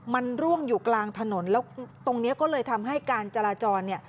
มันร่วงอยู่กลางถนนแล้วตรงนี้ก็เลยทำให้การจราจรเนี่ย